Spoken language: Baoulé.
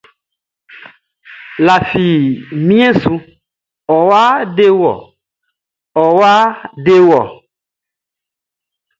Lafi mien su, ɔwa dewɔ, ɔwa dewɔ!